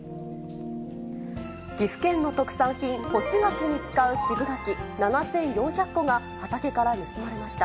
岐阜県の特産品、干し柿に使う渋柿７４００個が畑から盗まれました。